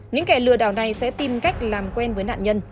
những kẻ lừa đảo này sẽ tìm cách làm quen với nạn nhân